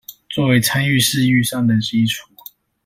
作為參與式預算的基礎